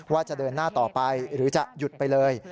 ว่าจะเดินหน้าต่อไปหรือจะหยุดไปเลย